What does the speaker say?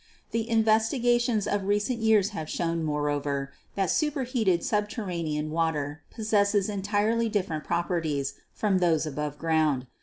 The investigations of recent years have shown, moreover, that superheated subterranean water possesses entirely different properties from those above ground.